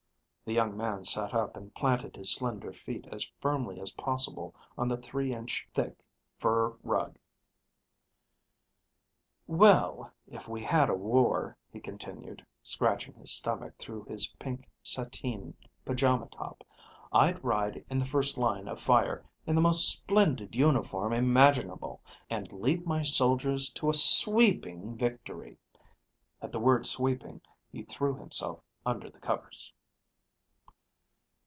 The young man sat up and planted his slender feet as firmly as possible on the three inch thick fur rug. "Well, if we had a war," he continued, scratching his stomach through his pink sateen pajama top, "I'd ride in the first line of fire, in the most splendid uniform imaginable, and lead my soldiers to a sweeping victory." At the word sweeping, he threw himself under the covers.